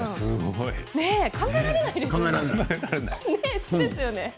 考えられないですよね。